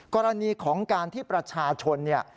กรณีของการที่ประชาชนเนี่ย